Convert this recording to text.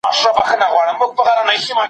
دا خبره ما هم خوشاله او هم خپه کړه.